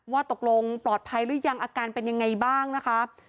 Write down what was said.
ว่าตกลงปลอดภัยหรือยังอาการเป็นยังไงบ้างนะคะ